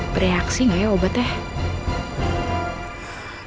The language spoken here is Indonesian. bereaksi ga ya obatnya